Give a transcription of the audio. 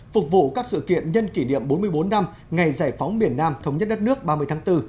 phục vụ các sự kiện nhân kỷ niệm bốn mươi bốn năm ngày giải phóng miền nam thống nhất đất nước ba mươi tháng bốn